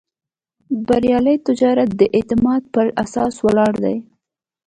بریالی تجارت د اعتماد پر اساس ولاړ دی.